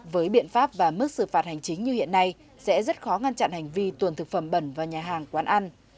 với biện pháp và mức xử phạt hành chính như hiện nay sẽ rất khó ngăn chặn hành vi tuần thực phẩm bẩn vào nhà hàng quán ăn